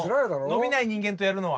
伸びない人間とやるのは。